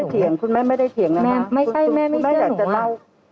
ไม่ใช่เถียงคุณแม่ไม่ได้เถียงนะคะไม่ใช่แม่ไม่เชื่อหนูคุณแม่อยากจะเล่า